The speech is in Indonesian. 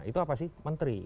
itu apa sih menteri